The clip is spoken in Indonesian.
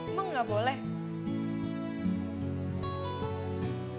emang gak boleh